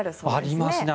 ありますね。